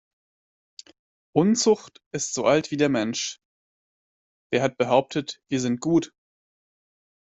Unzucht ist so alt wie der Mensch - wer hat behauptet wir sind gut?